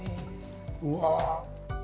うわ。